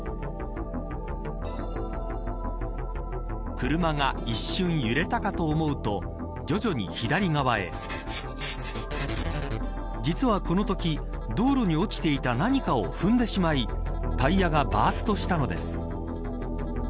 車が一瞬、揺れたかと思うと徐々に左側へ実はこのとき道路に落ちていた何かを踏んでしまい、タイヤがバーストしたのです。